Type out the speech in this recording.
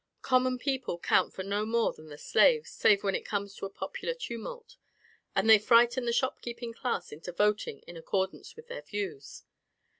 Common people count for no more than the slaves, save when it comes to a popular tumult, and they frighten the shopkeeping class into voting in accordance with their views.